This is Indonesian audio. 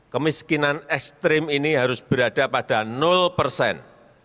kemiskinan ekstrim ini harus berada pada persen